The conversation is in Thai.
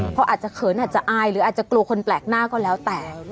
พออาจจะเขินอาจจะอายหรืออาจจะกลัวคนแปลกหน้าก็แล้วแต่